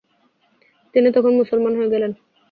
তিনি তখন মুসলমান হয়ে গেলেন।